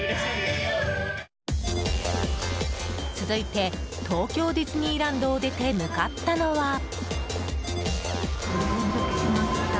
続いて東京ディズニーランドを出て向かったのは。